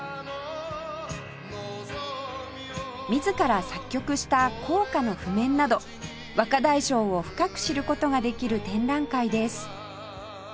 自ら作曲した校歌の譜面など若大将を深く知る事ができる展覧会です